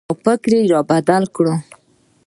او فکر یې را بدل کړ